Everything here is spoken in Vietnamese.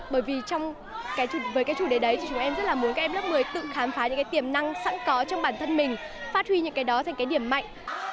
bởi vì với cái chủ đề đấy thì chúng em rất là muốn các em lớp một mươi tự khám phá những cái tiềm năng sẵn có trong bản thân mình phát huy những cái đó thành cái điểm mạnh